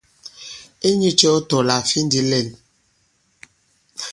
Inyūcɛ̄ ɔ tɔ̄ là à fi ndī lɛ᷇n?